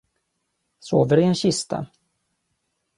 Sover i en kista.